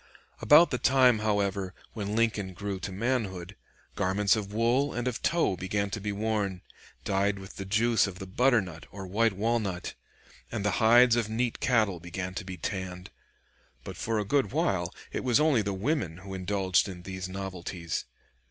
About the time, however, when Lincoln grew to manhood, garments of wool and of tow began to be worn, dyed with the juice of the butternut or white walnut, and the hides of neat cattle began to be tanned. But for a good while it was only the women who indulged in these novelties.